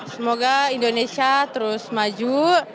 semoga indonesia terus maju